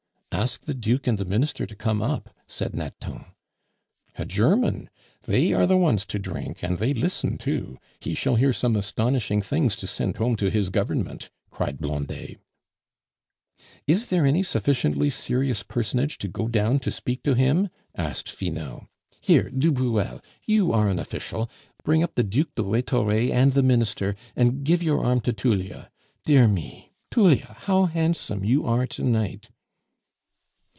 "Ask the Duke and the Minister to come up," said Nathan. "A German? They are the ones to drink, and they listen too; he shall hear some astonishing things to send home to his Government," cried Blondet. "Is there any sufficiently serious personage to go down to speak to him?" asked Finot. "Here, du Bruel, you are an official; bring up the Duc de Rhetore and the Minister, and give your arm to Tullia. Dear me! Tullia, how handsome you are to night!"